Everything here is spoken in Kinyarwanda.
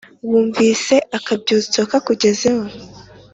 wumvise akabyutso ka kugezeho